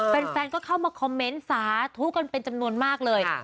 แฟนก็เข้ามาคอมเมนต์สาธุกันเป็นจำนวนมากเลย